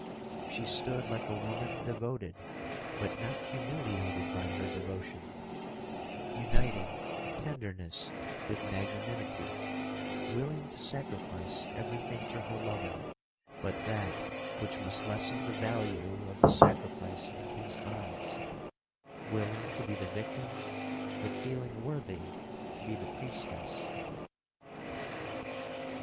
She stood like a woman devoted, but not humiliated by her devotion—uniting tenderness with magnanimity—willing to sacrifice every thing to her lover, but that which must lessen the value of the sacrifice in his eyes—willing to be the victim, but feeling worthy to be the priestess.